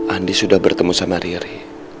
andi sudah bertemu sama riri